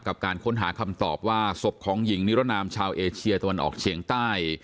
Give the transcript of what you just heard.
การค้นหาคำตอบว่าศพของหญิงนิรนามชาวเอเชียตะวันออกเฉียงใต้